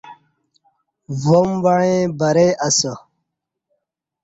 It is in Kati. وام وعیں برئے اسہ